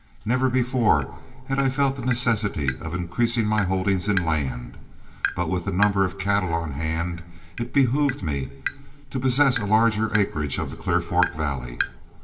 Never before had I felt the necessity of increasing my holdings in land, but with the number of cattle on hand it behooved me to possess a larger acreage of the Clear Fork valley.